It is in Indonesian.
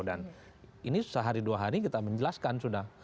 dan ini sehari dua hari kita menjelaskan sudah